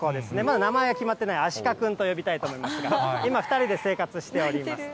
名前は決まっていない、アシカくんと呼びたいと思いますが、今、２人で生活しております。